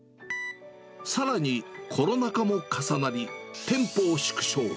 さらに、コロナ禍も重なり店舗を縮小。